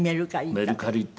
メルカリって。